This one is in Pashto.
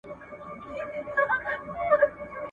د ځینو شرکتونو ونډې راولوېدې.